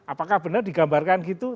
apakah benar digambarkan gitu